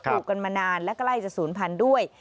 ลูกกันมานานและใกล้จะศูนย์พันธุ์ด้วย